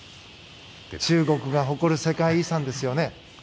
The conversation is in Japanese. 中国が誇る世界遺産ですよね。